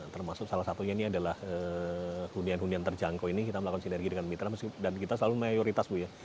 termasuk salah satunya ini adalah hunian hunian terjangkau ini kita melakukan sinergi dengan mitra dan kita selalu mayoritas bu ya